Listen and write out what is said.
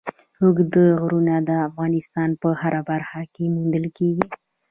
اوږده غرونه د افغانستان په هره برخه کې موندل کېږي.